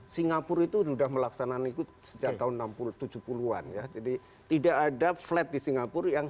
singapura itu sudah melaksanakan ikut sejak tahun tujuh puluh an ya jadi tidak ada flat di singapura yang